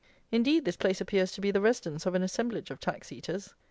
Indeed, this place appears to be the residence of an assemblage of tax eaters.